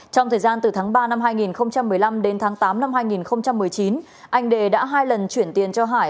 trong thời gian từ tháng ba năm hai nghìn một mươi năm đến tháng tám năm hai nghìn một mươi chín anh đề đã hai lần chuyển tiền cho hải